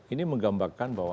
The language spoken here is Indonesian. ini menggambarkan bahwa